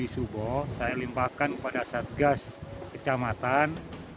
saya melimpahkan pada satgas kecamatan